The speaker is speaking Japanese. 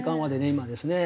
今ですね。